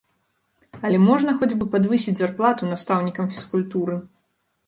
Але можна хоць бы падвысіць зарплату настаўнікам фізкультуры?